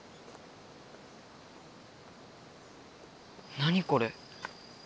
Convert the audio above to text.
何これ？